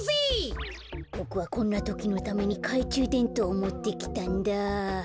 ボクはこんなときのためにかいちゅうでんとうをもってきたんだ。